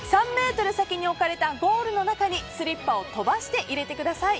３ｍ先に置かれたゴールの中にスリッパを飛ばして入れてください。